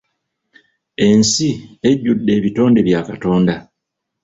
Ensi ejjudde ebitonde bya Katonda.